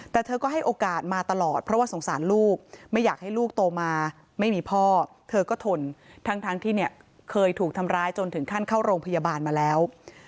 แต่เธอก็ให้โอกาสมาตลอดเพราะว่าสงสารลูกไม่อยากให้ลูกโตมาไม่มีพ่อเธอก็ทนทั้งที่เนี่ยเคยถูกทำร้ายจนถึงขั้นเข้าโรงพยาบาลมาแล้ว